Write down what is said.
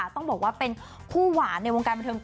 ต้องบอกว่าเป็นคู่หวานในวงการบันเทิง